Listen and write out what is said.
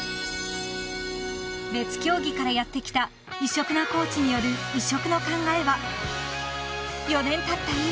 ［別競技からやって来た異色なコーチによる異色の考えは４年たった